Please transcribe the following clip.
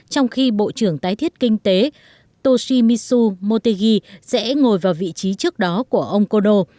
trong khi bộ trưởng tái thiết kinh tế toshimitsu motegi sẽ ngồi vào vị trí trước đó của ông kodo